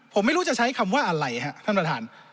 ผมไม่รู้จะใช้คำว่าอะไรฮะท่านประธาน